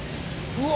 うわ。